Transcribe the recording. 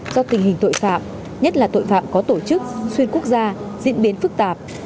do tình hình tội phạm nhất là tội phạm có tổ chức xuyên quốc gia diễn biến phức tạp